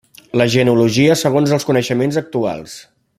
La genealogia segons els coneixements actuals.